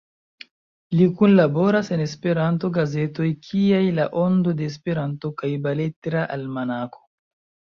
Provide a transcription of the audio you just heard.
Li kunlaboras en Esperanto gazetoj kiaj La Ondo de Esperanto kaj Beletra Almanako.